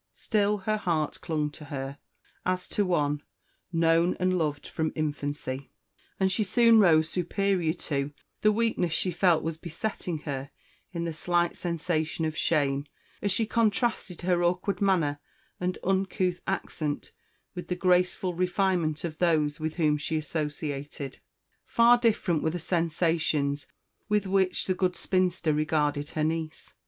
Still her heart clung to her, as to one known and loved from infancy; and she Soon rose superior to the weakness she felt was besetting her in the slight sensation of shame, as she contrasted her awkward manner and uncouth accent with the graceful refinement of those with whom she associated. Far different were the sensations with which the good spinster regarded her niece.